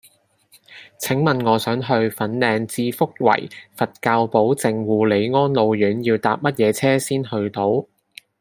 請問我想去粉嶺置福圍佛教寶靜護理安老院要搭乜嘢車先去到